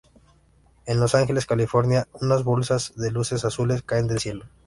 En Los Angeles, California unas bolas de luces azules caen del cielo.